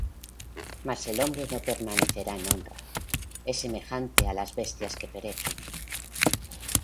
Mas el hombre no permanecerá en honra: Es semejante á las bestias que perecen.